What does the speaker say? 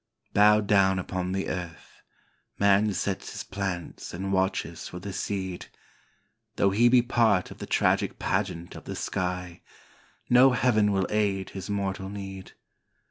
Bowed down upon the earth, man sets his plants and watches for the seed. Though he be part of the tragic pageant of the sky, no heaven will aid his mortal need.